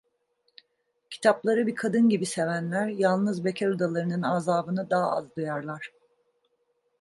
Kitapları bir kadın gibi sevenler, yalnız bekar odalarının azabını daha az duyarlar.